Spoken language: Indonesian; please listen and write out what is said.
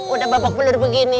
udah bapak peluru begini